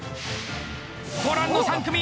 ご覧の３組！